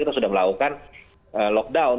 kita sudah melakukan lockdown